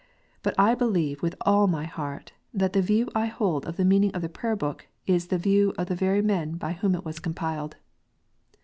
But I believe with all my heart that the view I hold of the meaning of the Prayer book is the view of the very men by whom it was compiled.